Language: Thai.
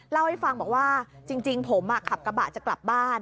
เล่าให้ฟังบอกว่าจริงผมขับกระบะจะกลับบ้าน